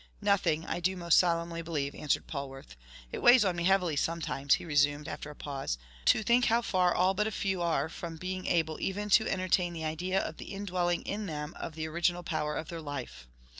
"Nothing, I do most solemnly believe," answered Polwarth. "It weighs on me heavily sometimes," he resumed, after a pause, "to think how far all but a few are from being able even to entertain the idea of the indwelling in them of the original power of their life.